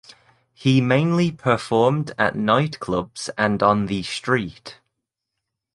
He mainly performed at nightclubs and on the street.